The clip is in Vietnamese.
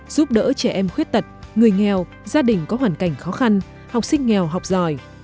giúp đỡ trẻ em khuyết tật người nghèo gia đình có hoàn cảnh khó khăn học sinh nghèo học giỏi